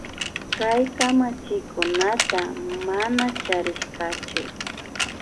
Kay kamachikunata mana charirkachu